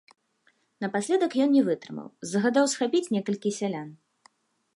Напаследак ён не вытрымаў, загадаў схапіць некалькі сялян.